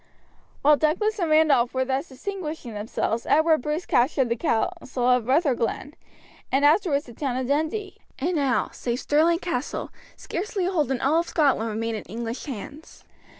While Douglas and Randolph were thus distinguishing themselves Edward Bruce captured the castle of Rutherglen, and afterwards the town of Dundee; and now, save Stirling Castle, scarcely a hold in all Scotland remained in English hands.